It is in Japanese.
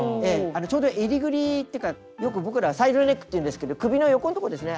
ちょうどえりぐりってかよく僕らはサイドネックっていうんですけど首の横んとこですね。